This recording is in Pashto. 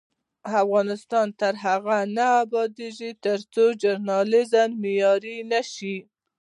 افغانستان تر هغو نه ابادیږي، ترڅو ژورنالیزم معیاري نشي.